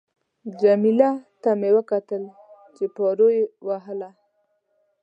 جميله ته مې کتل چې پارو یې واهه.